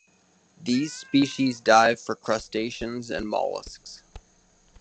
These species dive for crustaceans and molluscs.